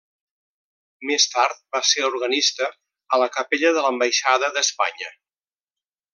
Més tard va ser organista a la capella de l'ambaixada d'Espanya.